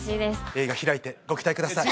映画「ひらいて」ご期待ください